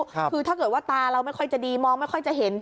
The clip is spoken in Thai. คือถ้าเกิดว่าตาเราไม่ค่อยจะดีมองไม่ค่อยจะเห็น